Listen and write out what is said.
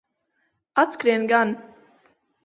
Atskrien gan.